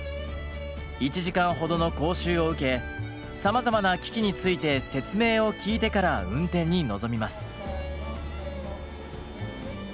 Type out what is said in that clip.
１時間ほどの講習を受けさまざまな機器について説明を聞いてから運転に臨みます。